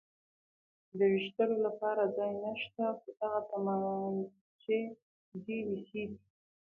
د وېشتلو لپاره ځای نشته، خو دغه تومانچې ډېرې ښې دي.